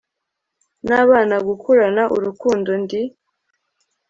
n'abana gukurana urukundo, ndi